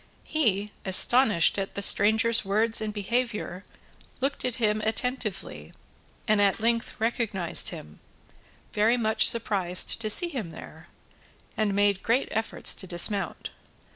He, astonished at the stranger's words and behaviour, looked at him attentively, and at length recognised him, very much surprised to see him there, and made great efforts to dismount.